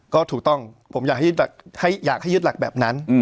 ก็ถูกต้องผมอยากให้ยึดหลักให้อยากให้ยึดหลักแบบนั้นอืม